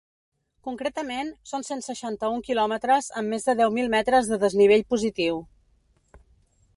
Concretament són cent seixanta-un quilòmetres amb més de deu mil metres de desnivell positiu.